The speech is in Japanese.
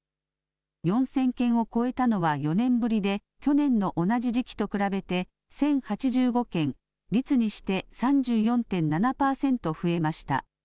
４０００件を超えたのは４年ぶりで、去年の同じ時期と比べて１０８５件、率にして３４．７％増えました。